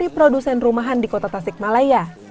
produsen rumahan di kota tasik malaya